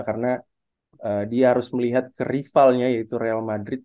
karena dia harus melihat ke rivalnya yaitu real madrid